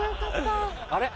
あれ？